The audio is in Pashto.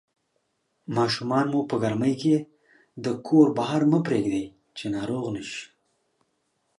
ماشومان مو په ګرمۍ کې د کور بهر مه پرېږدئ چې ناروغ نشي